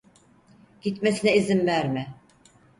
Gitmesine izin verme!